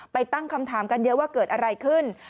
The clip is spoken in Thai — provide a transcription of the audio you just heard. ตั้งคำถามกันเยอะว่าเกิดอะไรขึ้น